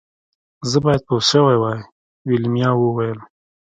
زه باید پوه شوې وای ویلما وویل